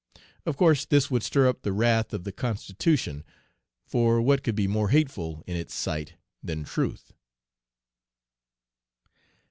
Of course this would stir up the wrath of the Constitution; for what could be more hateful in its sight than truth?